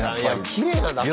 きれいだな。